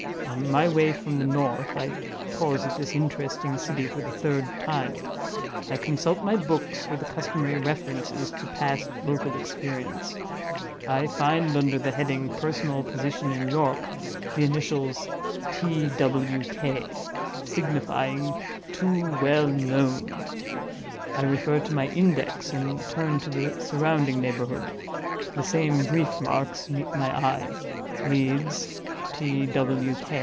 On my way from the North, I pause at this interesting city for the third time; I consult my Books for the customary references to past local experience; I find under the heading, 'Personal position in York,' the initials, T. W. K., signifying Too Well Known. I refer to my Index, and turn to the surrounding neighborhood. The same brief marks meet my eye. 'Leeds.